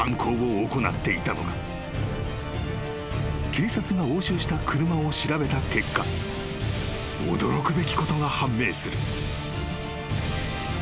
［警察が押収した車を調べた結果驚くべきことが判明する］